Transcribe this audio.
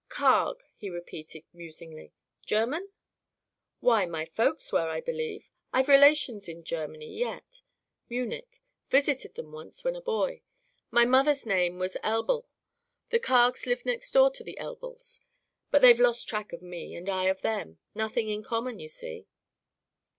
"Carg," he repeated, musingly. "German?" "Why, my folks were, I believe. I've relations in Germany, yet. Munich. Visited them once, when a boy. Mother's name was Elbl. The Cargs lived next door to the Elbls. But they've lost track of me, and I of them. Nothing in common, you see."